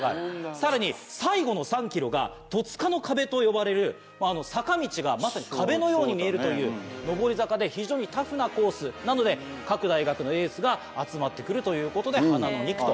さらに最後の３ｋｍが戸塚の壁と呼ばれる坂道がまさに壁のように見えるという上り坂で非常にタフなコースなので各大学のエースが集まって来るということで花の２区と。